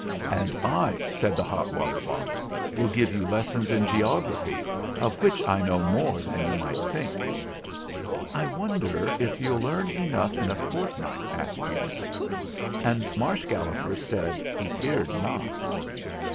"And I," said the hot water bottle, "will give you lessons in geography, of which I know more than you might think." "I wonder if you'll learn enough in a fort THE GALLOPER'S SCHOOLING 227 night?" asked Unity; and Marsh Galloper said he feared not.